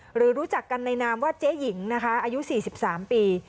หรือรู้จักกันในนามว่าเจ๊หญิงนะคะอายุ๔๓ปี